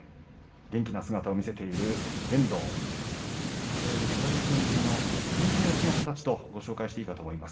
元気な姿を見せている遠藤いわゆる左と右のけんか四つの形とご紹介していいかと思います。